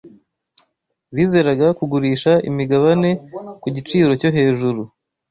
Bizeraga kugurisha imigabane ku giciro cyo hejuru.